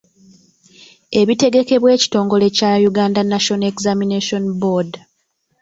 Ebitegekebwa ekitongole kya Uganda National Examination Board.